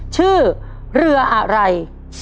ชื่อเรืออะไร